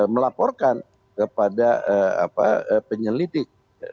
melaporkan kepada penyelidik